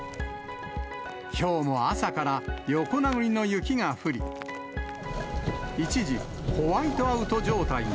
きょうも朝から横殴りの雪が降り、一時、ホワイトアウト状態に。